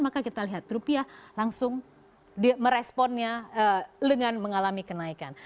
maka kita lihat rupiah langsung meresponnya dengan mengalami kenaikan